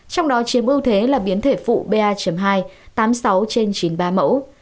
trong đó chiếm ưu thế là biến thể phụ ba hai tám mươi sáu trên chín mươi ba mẫu